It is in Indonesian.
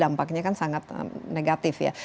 dampaknya kan sangat negatif ya